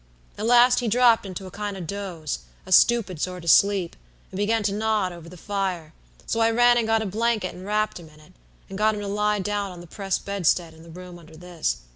At last he dropped into a kind of a doze, a stupid sort of sleep, and began to nod over the fire, so I ran and got a blanket and wrapped him in it, and got him to lie down on the press bedstead in the room under this.